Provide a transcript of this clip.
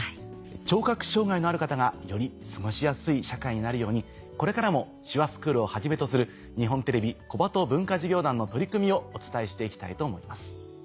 聴覚障がいのある方がより過ごしやすい社会になるようにこれからも手話スクールをはじめとする日本テレビ小鳩文化事業団の取り組みをお伝えして行きたいと思います。